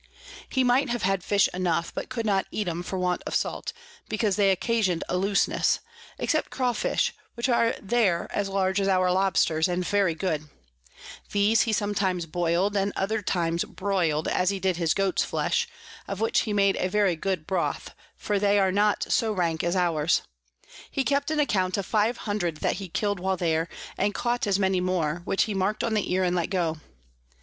He might have had Fish enough, but could not eat 'em for want of Salt, because they occasion'd a Looseness; except Crawfish, which are there as large as our Lobsters, and very good: These he sometimes boil'd, and at other times broil'd, as he did his Goats Flesh, of which he made very good Broth, for they are not so rank as ours: he kept an Account of 500 that he kill'd while there, and caught as many more, which he mark'd on the Ear and let go.